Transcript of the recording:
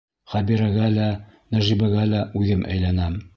Хәбирәгә лә, Нәжибәгә лә үҙем әйләнәм.